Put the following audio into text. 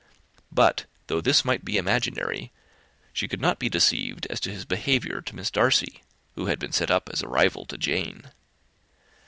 But, though this might be imaginary, she could not be deceived as to his behaviour to Miss Darcy, who had been set up as a rival to Jane.